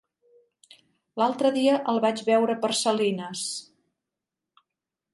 L'altre dia el vaig veure per Salines.